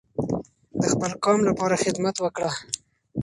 د خپل قام لپاره خدمت وکړو.